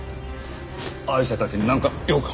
アイシャたちになんか用か？